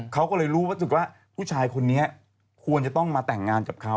เขาก็เลยรู้สึกว่าผู้ชายคนนี้ควรจะต้องมาแต่งงานกับเขา